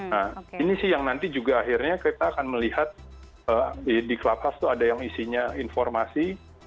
nah ini sih yang nanti juga akhirnya kita akan melihat di klatas itu ada yang isinya informasi